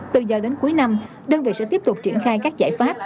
từ giờ đến cuối năm đơn vị sẽ tiếp tục triển khai các giải pháp